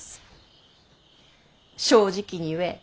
正直に言え。